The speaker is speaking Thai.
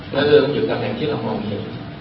และเลือดมันอยู่ในกำแหน่งที่เรามองเห็น